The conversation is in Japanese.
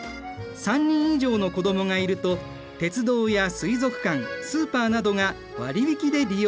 ３人以上の子どもがいると鉄道や水族館スーパーなどが割引で利用できるんだ。